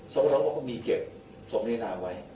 สมทวรว่าก็มีเก็บสมนินามไว้